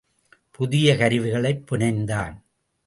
புதிய கருவிகளைப் புனைந்தான்.